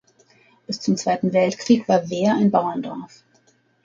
Bis zum Zweiten Weltkrieg war Weer ein Bauerndorf.